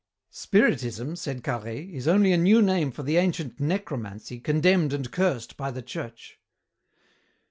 "Spiritism," said Carhaix, "is only a new name for the ancient necromancy condemned and cursed by the Church."